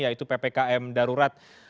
yaitu ppkm darurat